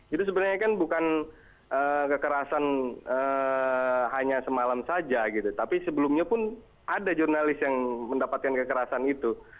itu sebenarnya kan bukan kekerasan hanya semalam saja gitu tapi sebelumnya pun ada jurnalis yang mendapatkan kekerasan itu